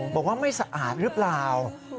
บอกว่าไม่สะอาดหรือเปล่า